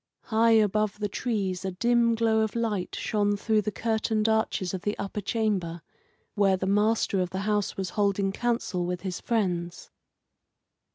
High above the trees a dim glow of light shone through the curtained arches of the upper chamber, where the master of the house was holding council with his friends.